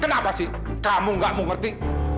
kenapa kamu tidak mau ketemu dengan saya